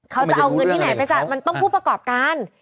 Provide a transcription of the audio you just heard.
เขาจะเอาเงินที่ไหนไปจ่ายมันต้องผู้ประกอบการ